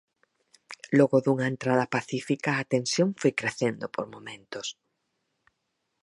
Logo dunha entrada pacífica, a tensión foi crecendo por momentos.